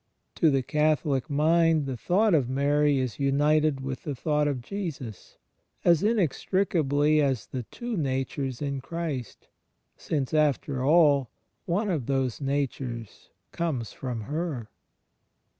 To the Catholic mind the thought of Mary is imited with the thought of Jesus, as inextricably as the two natures in Christ; since, after all, one of those natures come from her.